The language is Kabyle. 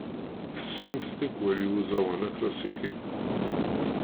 Tsellemt tikwal i uẓawan aklasiki?